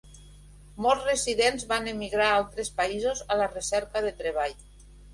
Molts residents van emigrar a altres països a la recerca de treball.